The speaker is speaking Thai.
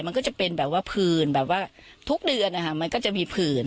มันก็จะเป็นแบบว่าผื่นแบบว่าทุกเดือนนะคะมันก็จะมีผื่น